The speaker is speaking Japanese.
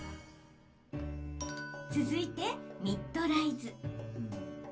続いて、ミッドライズ。